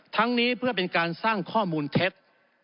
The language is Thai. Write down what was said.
ทั้งนี้เพื่อเป็นการสร้างข้อมูลเท็จ